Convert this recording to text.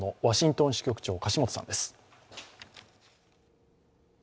ワシントン支局長の樫元さんです。